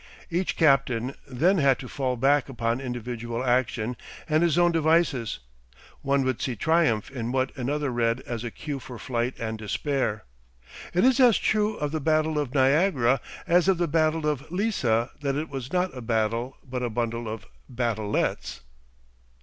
Each captain then had to fall back upon individual action and his own devices; one would see triumph in what another read as a cue for flight and despair. It is as true of the Battle of Niagara as of the Battle of Lissa that it was not a battle but a bundle of "battlettes"!